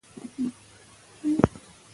موږ په پښتو ژبه علمي کتابونه لیکو.